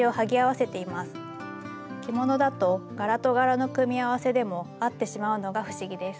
着物だと柄と柄の組み合わせでも合ってしまうのが不思議です。